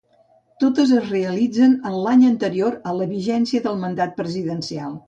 Totes es realitzen en l'any anterior a la vigència del mandat presidencial.